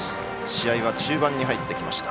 試合は中盤に入ってきました。